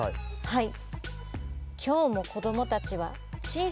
はい。